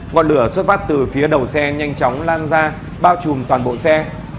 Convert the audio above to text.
ngọn lửa xuất phát từ phía đầu xe nhanh chóng lan ra bao trùm toàn bộ xe